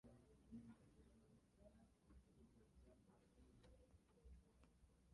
Abagore benshi bo muri Aziya bambaye imyenda yumukara namakamba bafashe amasahani yanditseho ibiryo